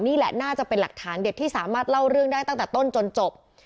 นี่แหละน่าจะเป็นหลักฐานเด็ดที่สามารถเล่าเรื่องได้ตั้งแต่ต้นจนจบ